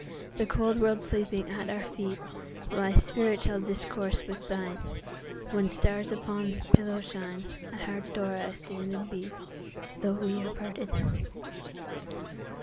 The cold world sleeping at our feet, My spirit shall discourse with thine;—When stars upon thy pillow shine, At thy heart's door I stand and beat, Though we are parted.